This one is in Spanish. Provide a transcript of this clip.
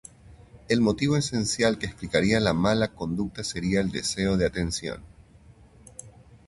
El motivo esencial que explicaría la mala conducta sería el deseo de atención.